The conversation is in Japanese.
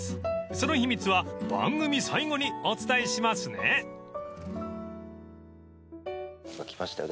［その秘密は番組最後にお伝えしますね］来ましたよ